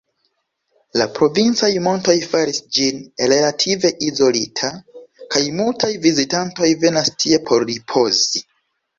La provincaj montoj faris ĝin relative izolita, kaj multaj vizitantoj venas tie por ripozi.